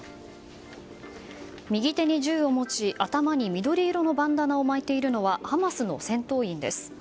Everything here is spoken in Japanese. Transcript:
右手に銃を持ち頭に緑色のバンダナを巻いているのはハマスの戦闘員です。